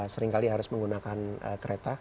seringkali harus menggunakan kereta